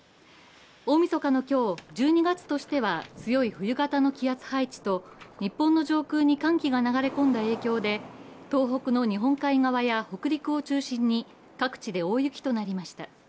大みそかの今日、１２月としては強い強い冬型の気圧配置と日本の上空に強い寒気が流れ込んだ影響で、東北の日本海側や北陸を中心に各地で大雪となりました。